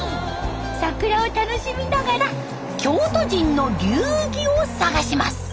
桜を楽しみながら京都人の流儀を探します。